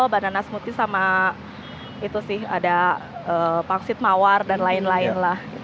banana smoothie sama itu sih ada pangsit mawar dan lain lain lah